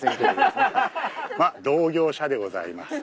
同業者でございます。